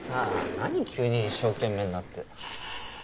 何急に一生懸命になって。